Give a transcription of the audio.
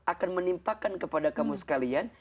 akan menimpakan kepada kamu sekalian